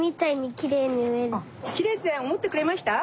きれいっておもってくれました？